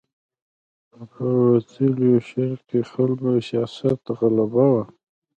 پر وتلیو شرقي خلکو د سیاست غلبه وه.